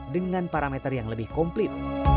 dengan parameter yang lebih komplit